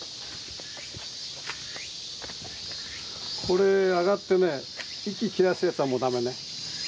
これ上がってね息切らすやつはもう駄目ね。